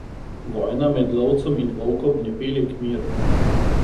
Vojna med lovcem in volkom ne pelje k miru.